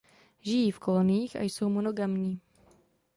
Žijí v koloniích a jsou monogamní.